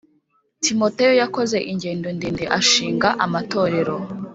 Timoteyo yakoze ingendo ndende ashinga amatorero